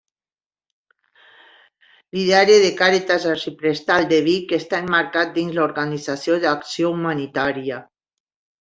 L’ideari de Càritas Arxiprestal de Vic està emmarcat dins l’Organització d'acció humanitària: